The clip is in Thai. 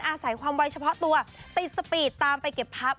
อาศัยความวัยเฉพาะตัวติดสปีดตามไปเก็บภาพ